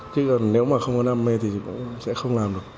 thế còn nếu mà không có đam mê thì sẽ không làm được